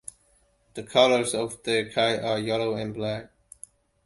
The colours of their kit are yellow and black.